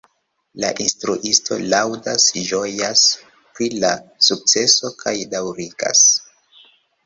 La instruisto laŭdas, ĝojas pri la sukceso kaj daŭrigas.